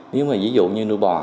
nếu mà ví dụ như nuôi bò